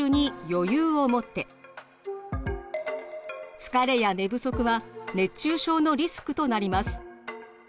疲れや寝不足は熱中症のリスクとなります。